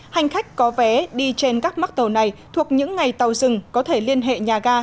hành khách có vé đi trên các mắc tàu này thuộc những ngày tàu dừng có thể liên hệ nhà ga